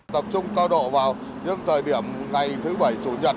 tập trung cao độ vào những thời điểm ngày thứ bảy chủ nhật